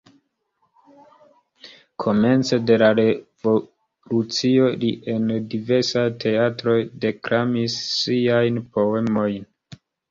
Komence de la revolucio li en diversaj teatroj deklamis siajn poemojn.